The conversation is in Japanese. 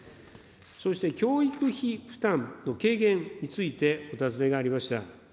そして、教育費負担の軽減について、お尋ねがありました。